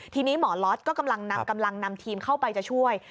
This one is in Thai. ทีนี้หมอล็อตก็กำลังนำทีมเข้าไปจะช่วย